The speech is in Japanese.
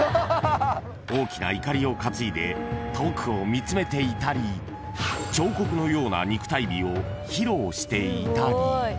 ［大きないかりを担いで遠くを見つめていたり彫刻のような肉体美を披露していたり］